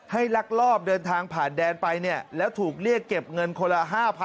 ให้รักรอบเดินทางผ่านแดนไปแล้วถูกเรียกเก็บเงินคนละ๕๗๐๐